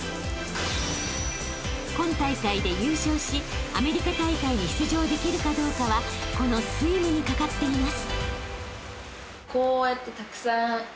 ［今大会で優勝しアメリカ大会に出場できるかどうかはこのスイムにかかっています］